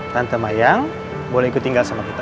tante mayang boleh ikut tinggal sama kita